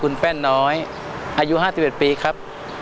ชื่อธนชกนามสกุลแป้นน้อยอายุ๕๑ปีครับ